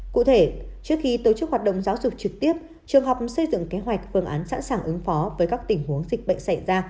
cụ thể trước khi tổ chức hoạt động giáo dục trực tiếp trường học xây dựng kế hoạch phương án sẵn sàng ứng phó với các tình huống dịch bệnh xảy ra